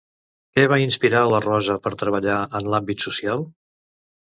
Què va inspirar la Rosa per treballar en l'àmbit social?